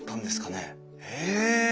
へえ。